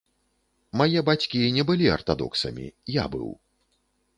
Мае бацькі не былі артадоксамі, я быў.